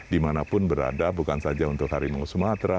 dimanapun berada bukan saja untuk harimau sumatera